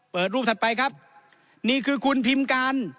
รูปถัดไปครับนี่คือคุณพิมการ